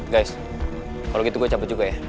guys kalau gitu gue capek juga ya